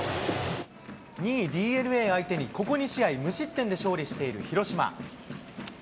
２位ＤｅＮＡ相手に、ここ２試合、無失点で勝利している広島。